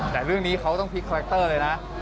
แต่เรื่องนี้เขาต้องพลิกคาแรคเตอร์เลยนะ